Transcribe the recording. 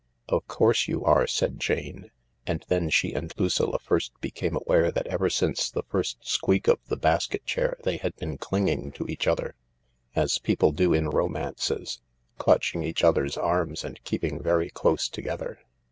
"Of course you are," said Jane. And then she and Lucilla first became aware that ever since the first squeak of the basket chair they had been clinging to each other, as people do in romances, clutching each other's arms and keep ing very close together.